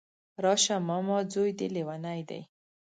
راشه ماما ځوی دی ليونی دی